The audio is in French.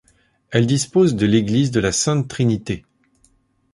Elle dispose de l'église de la Sainte-Trinité.